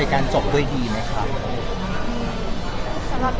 สำหรับขี่ก็ว่าก็